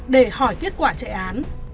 để hỏi kết quả chạy án